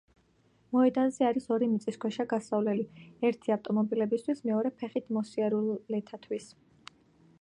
მოედანზე არის ორი მიწისქვეშა გასასვლელი: ერთი ავტომობილებისთვის, მეორე ფეხით მოსიარულეთათვის.